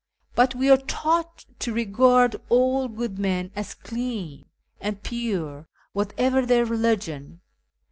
But we are taught to regard all good men as clean and pure, whatever their religion.